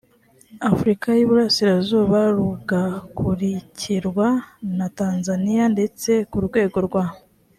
afurika y iburasirazuba rugakurikirwa na tanzania ndetse ku rwego rwa